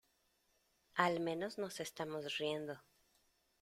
al menos nos estamos riendo.